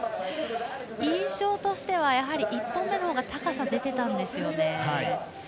印象としては１本目のほうが高さが出ていたんですね。